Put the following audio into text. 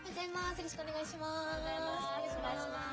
よろしくお願いします。